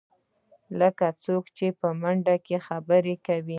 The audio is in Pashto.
لکه څوک چې په منډه کې خبرې کوې.